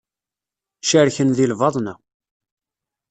Cerken di lbaḍna.